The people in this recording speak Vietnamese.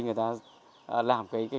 người ta làm cái